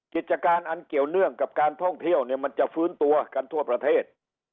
กิจการอันเกี่ยวเนื่องกับการท่องเที่ยวเนี่ยมันจะฟื้นตัวกันทั่วประเทศ